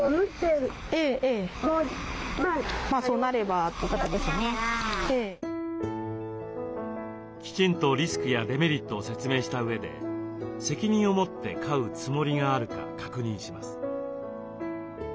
毎日のことですのできちんとリスクやデメリットを説明したうえで責任を持って飼うつもりがあるか確認します。